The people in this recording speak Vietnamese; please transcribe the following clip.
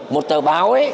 một tờ báo ấy